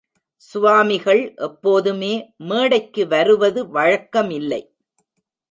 சுவாமிகள் எப்போதுமே மேடைக்கு வருவது வழக்கமில்லை.